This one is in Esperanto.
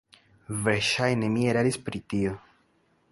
Verŝajne mi eraris pri tio.